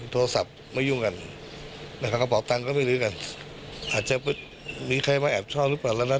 โทรศัพท์ไม่ยุ่งกันแต่คำเขาบอกตังค์ก็ไม่ลืมกันอาจจะมีใครมาแอบชอบหรือเปล่านั้น